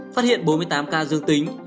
phát hiện bốn mươi tám ca dương tính